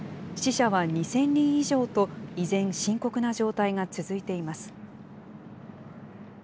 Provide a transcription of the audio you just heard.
死者は２０００人以上と、依然深刻な状態が続いています。